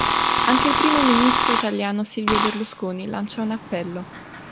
Anche il primo ministro italiano Silvio Berlusconi lancia un appello.